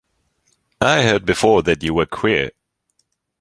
I heard before that you were queer.